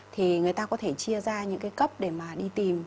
thì người ta có thể chia ra những cái cấp để mà đi tìm